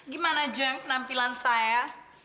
gimana jeng penampilan saya